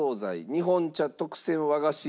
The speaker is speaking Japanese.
日本茶・特選和菓子